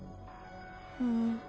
うん。